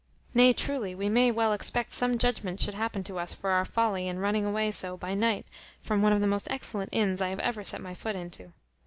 Nay, truly, we may well expect some judgment should happen to us for our folly in running away so by night from one of the most excellent inns I ever set my foot into.